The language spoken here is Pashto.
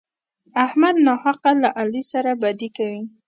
احمد ناحقه له علي سره بدي کوي.